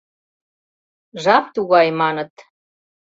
Жап тугай, маныт...